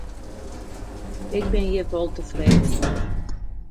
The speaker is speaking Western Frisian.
Ik bin hjir wol tefreden oer.